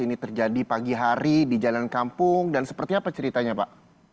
ini terjadi pagi hari di jalan kampung dan seperti apa ceritanya pak